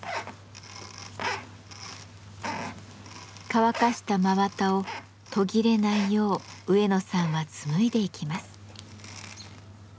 乾かした真綿を途切れないよう植野さんは紡いでいきます。